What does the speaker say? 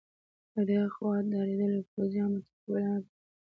له دې خوا ډارېدلو پوځیانو متقابله حمله پرې وکړه.